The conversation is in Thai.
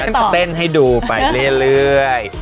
มีคนจะเต้นให้ดูไปเรื่อย